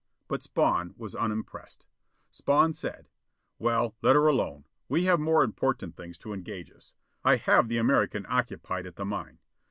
But Spawn was unimpressed. Spawn said: "Well, let her alone. We have more important things to engage us. I have the American occupied at the mine.